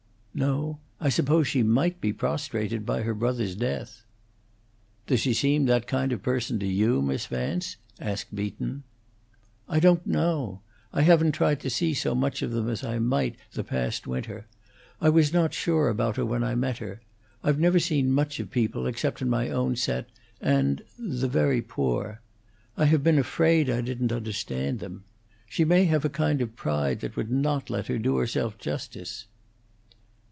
"No. I supposed she might be prostrated by her brother's death." "Does she seem that kind of person to you, Miss Vance?" asked Beaton. "I don't know. I haven't tried to see so much of them as I might, the past winter. I was not sure about her when I met her; I've never seen much of people, except in my own set, and the very poor. I have been afraid I didn't understand her. She may have a kind of pride that would not let her do herself justice."